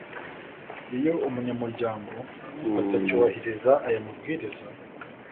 Iyo umunyamuryango atacyubahiriza ayamabwiriza